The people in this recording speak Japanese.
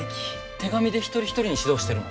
手紙で一人一人に指導してるの？